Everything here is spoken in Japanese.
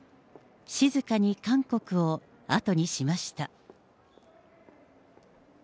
静かに韓国を後にしました。